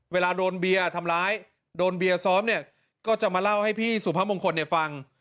เวลาโดนเบียร์ทำร้ายโดนเบียร์ซ้อมเนี่ยก็จะมาเล่าให้พี่สุพมงคลฟัง